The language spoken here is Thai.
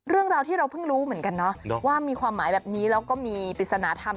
เรื่องราวที่เราเพิ่งรู้เหมือนกันเนาะว่ามีความหมายแบบนี้แล้วก็มีปริศนธรรม